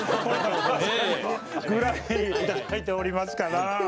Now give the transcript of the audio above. ぐらい頂いておりますから。